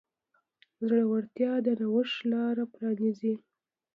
زړورتیا د نوښت لاره پرانیزي.